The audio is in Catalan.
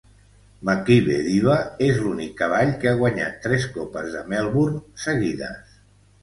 Makybe Diva és l'únic cavall que ha guanyat tres copes de Melbourne seguides.